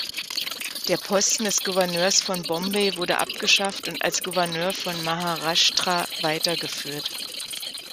Der Posten des Gouverneurs von Bombay wurde abgeschafft und als Gouverneur von Maharashtra weitergeführt.